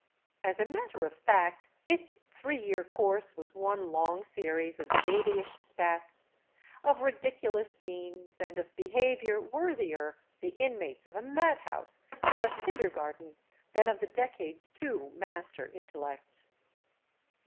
As a matter of fact, its three year course was one long series of babyish spats, of ridiculous scenes, andi of behavior worthier the inmates of a mad house or a kindergarten than of the decade*s two master intellects.